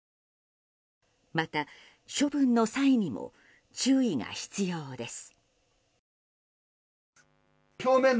また、処分の際にも注意が必要です。